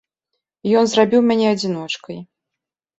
Ён зрабіў мяне адзіночкай.